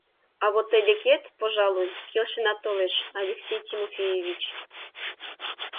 А вот тый декет, пожалуй, келшенат толеш, Алексей Тимофеевич.